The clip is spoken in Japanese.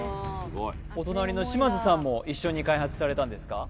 お隣の島津さんも一緒に開発されたんですか？